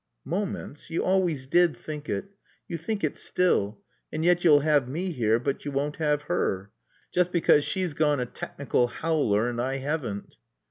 "Moments? You always did think it. You think it still. And yet you'll have me here but you won't have her. Just because she's gone a technical howler and I haven't."